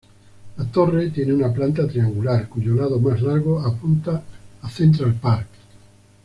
La torre tiene una planta triangular, cuyo lado más largo apunta a Central Park.